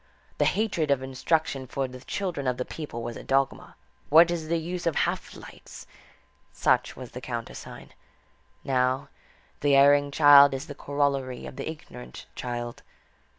The hatred of instruction for the children of the people was a dogma. What is the use of "half lights"? Such was the countersign. Now, the erring child is the corollary of the ignorant child.